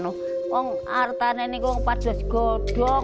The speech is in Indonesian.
harta saya juga membuatkan gondong